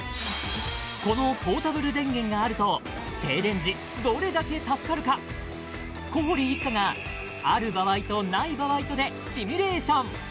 このポータブル電源があると停電時どれだけ助かるか小堀一家がある場合とない場合とでシミュレーション